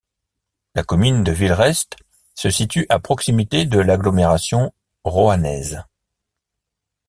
La commune de Villerest se situe à proximité de l'agglomération roannaise.